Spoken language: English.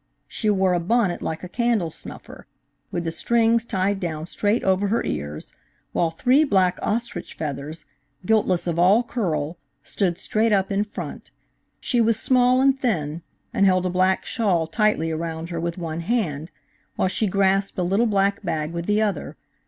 She wore a bonnet like a candle snuffer, with the strings tied down straight over her ears, while three black ostrich feathers, guiltless of all curl, stood straight up in front. She was small and thin and held a black shawl tightly around her with one hand, while she grasped a little black bag with the other.